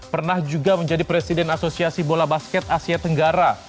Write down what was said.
pernah juga menjadi presiden asosiasi bola basket asia tenggara